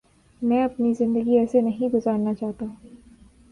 میں اپنی زندگی ایسے نہیں گزارنا چاہتا۔